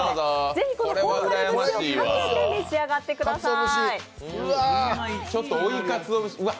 ぜひこの本枯れ節をかけて召し上がってください。